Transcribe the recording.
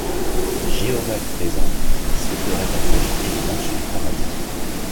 Jéhovah présent, il sauterait à cloche-pied les marches du paradis.